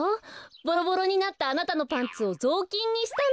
ボロボロになったあなたのパンツをぞうきんにしたの。